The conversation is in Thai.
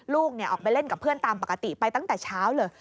ลูกออกไปเล่นกับเพื่อนตามปกติไปตั้งแต่เช้าเลย